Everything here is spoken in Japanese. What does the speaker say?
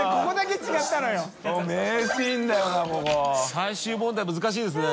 最終問題難しいですね。